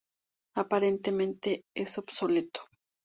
Aparentemente es obsoleto.